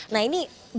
nah ini bagaimana